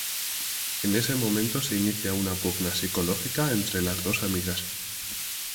En ese momento se inicia una pugna psicológica entre las dos amigas.